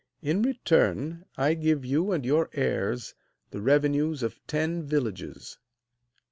In return I give you and your heirs the revenues of ten villages.'